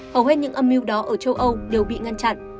hầu hết những âm mưu đó ở châu âu đều bị ngăn chặn